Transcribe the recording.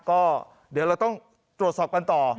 ก็เดี๋ยวเราต้องตรวจสอบกันต่อ